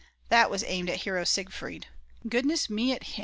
That was aimed at Hero Siegfried.